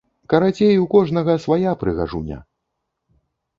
Карацей, у кожнага свая прыгажуня!